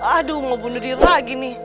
aduh mau bunuh diri lagi nih